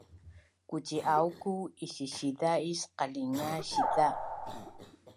Kuciauku isisiza is qalinga siza